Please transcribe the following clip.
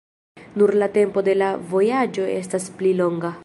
Nur la tempo de la vojaĝo estas pli longa.